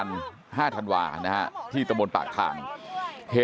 อุ้มขึ้นมาจากแม่น้ำนาฬนะฮะ